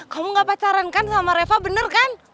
kamu gak pacaran kan sama reva bener kan